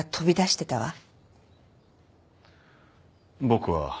僕は。